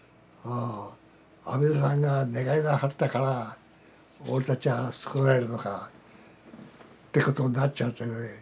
阿弥陀さんが願いなはったから俺たちは救われるのかってことになっちゃってね。